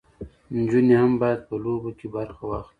نجونې هم باید په لوبو کې برخه واخلي.